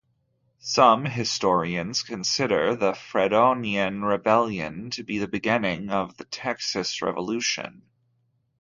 Some historians consider the Fredonian Rebellion to be the beginning of the Texas Revolution.